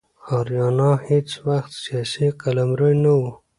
آریانا هیڅ وخت سیاسي قلمرو نه و.